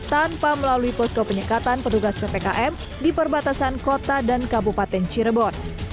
tanpa melalui posko penyekatan petugas ppkm di perbatasan kota dan kabupaten cirebon